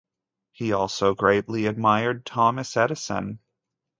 He also greatly admired Thomas Edison.